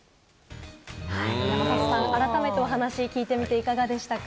改めて、お話を聞いてみていかがでしたか？